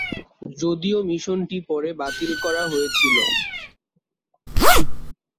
যদিও মিশনটি পরে বাতিল করা হয়েছিল।